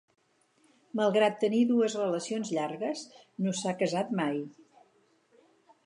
Malgrat tenir dues relacions llargues, no s'ha casat mai.